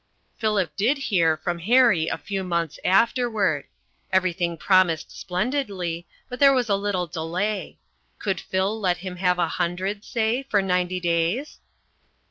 Philip did hear from Harry a few months afterward. Everything promised splendidly, but there was a little delay. Could Phil let him have a hundred, say, for ninety days?